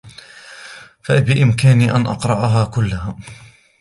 بإمكاني أن أقرأها كلها.